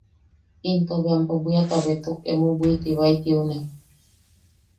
Into bea empo bwiata betuk emo bwitibae ti jiune.